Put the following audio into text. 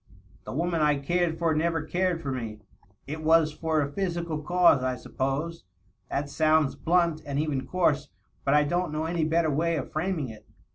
" The woman I cared for never cared for me. It was for a physical cause, I suppose. That sounds blunt, and even coarse. But I don't know any better way of framing it."